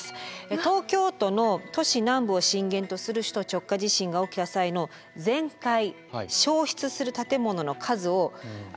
東京都の都市南部を震源とする首都直下地震が起きた際の全壊・焼失する建物の数を想定しているんですね。